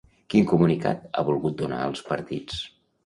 Quin comunicat ha volgut donar als partits?